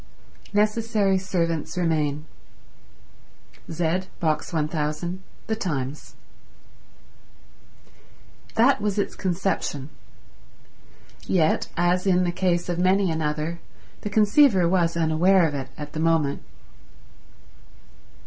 Necessary servants remain. Z, Box 1000, The Times. That was its conception; yet, as in the case of many another, the conceiver was unaware of it at the moment.